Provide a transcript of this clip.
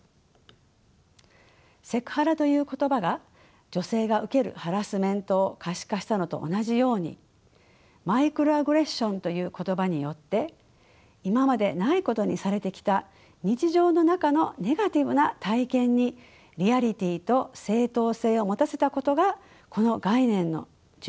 セクハラという言葉が女性が受けるハラスメントを可視化したのと同じようにマイクロアグレッションという言葉によって今までないことにされてきた日常の中のネガティブな体験にリアリティーと正当性を持たせたことがこの概念の重要な意義です。